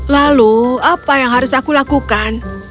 lalu apa yang harus aku lakukan